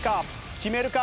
決めるか？